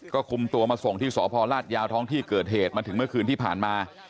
ก็คุมตัวมาส่งที่สพลาดยาวท้องที่เกิดเหตุมาถึงเมื่อคืนที่ผ่านมา